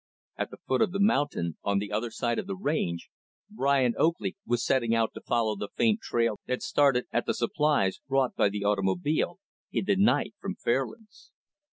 At the foot of the mountain, on the other side of the range, Brian Oakley was setting out to follow the faint trail that started at the supplies brought by the automobile, in the night, from Fairlands.